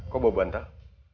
kau bawa bantal